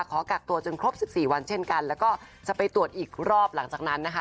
ขอกักตัวจนครบ๑๔วันเช่นกันแล้วก็จะไปตรวจอีกรอบหลังจากนั้นนะคะ